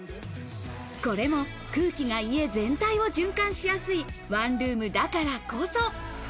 これも空気が家全体を循環しやすいワンルームだからこそ。